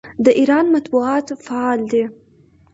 د ایران مطبوعات فعال دي.